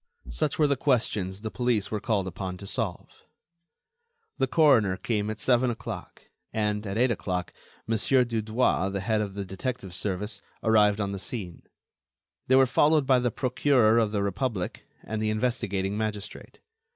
Such were the questions the police were called upon to solve. The coroner came at seven o'clock; and, at eight o'clock, Mon. Dudouis, the head of the detective service, arrived on the scene. They were followed by the Procureur of the Republic and the investigating magistrate.